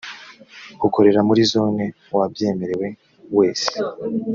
ukorera muri zone wabyemerewe wese